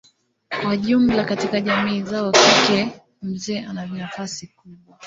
Kwa jumla katika jamii zao kike mzee ana nafasi kubwa.